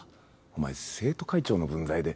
お前生徒会長の分際で。